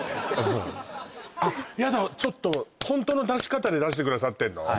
ヤダちょっとホントの出し方で出してくださってんの？